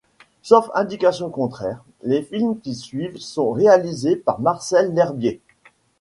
Sauf indication contraire, les films qui suivent sont réalisés par Marcel L'Herbier.